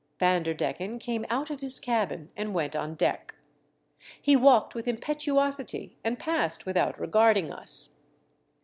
Vanderdecken came out of his cabin and went on deck. He walked with impetuosity and passed without regarding us.